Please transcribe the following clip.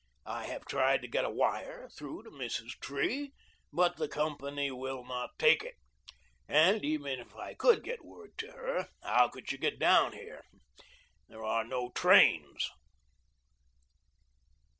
I have tried to get a wire through to Mrs. Tree, but the company will not take it, and even if I could get word to her, how could she get down here? There are no trains."